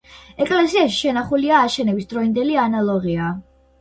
ეკლესიაში შენახულია აშენების დროინდელი ანალოღია.